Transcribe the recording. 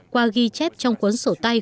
qua ghi chép trong cuốn sổ tay